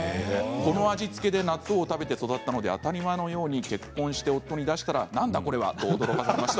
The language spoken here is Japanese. この味付けで納豆を食べて育ったので当たり前のように結婚して夫に出したら何だこれはと、驚かれました。